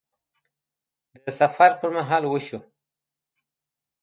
د سفر پر مهال وشو